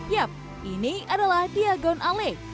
yap ini adalah diagon ale